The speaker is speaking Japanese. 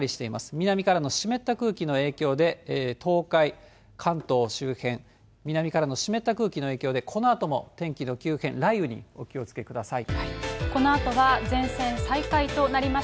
南からの湿った空気の影響で、東海、関東周辺、南からの湿った空気の影響で、このあとも天気の急変、雷雨にお気をつけください。